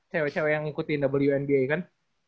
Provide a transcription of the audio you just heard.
cewek cewek yang ngikutin wba kan